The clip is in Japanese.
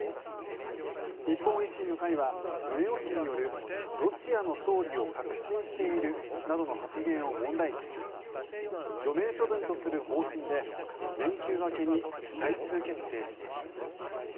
日本維新の会は宗男氏によるロシアの勝利を確信しているなどの発言を問題視し除名処分とする方針で連休明けに最終決定します。